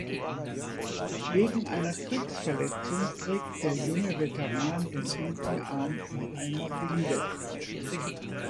Wegen einer Kriegsverletzung trägt der junge Veteran den linken Arm in einer Binde.